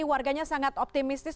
jadi warganya sangat optimistis